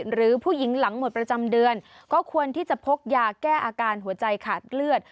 หรือผู้หญิงหลังหมดประจำเดือนก็ควรที่จะพกยาแก้อาการหัวใจขาดเลือด